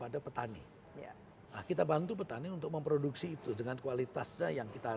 dan juga mungkin mencari pasarnya